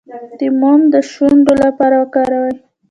د موم د شونډو لپاره وکاروئ